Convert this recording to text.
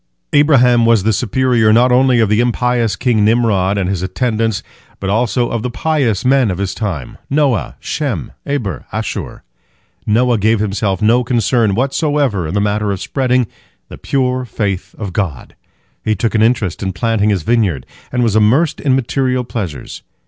" Abraham was the superior, not only of the impious king Nimrod and his attendants, but also of the pious men of his time, Noah, Shem, Eber, and Asshur. Noah gave himself no concern whatsoever in the matter of spreading the pure faith in God. He took an interest in planting his vineyard, and was immersed in material pleasures.